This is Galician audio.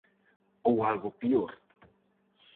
Ou algo peor.